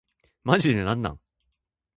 マジでなんなん